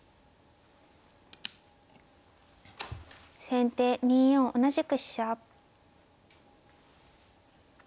先手２四同じく飛車。